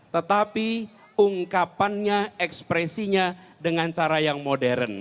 tetapi ungkapannya ekspresinya dengan cara yang modern